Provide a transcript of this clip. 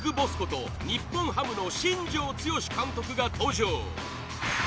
日本ハムの新庄剛志監督が登場